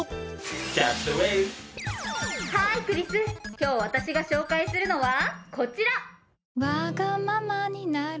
今日私が紹介するのはこちら！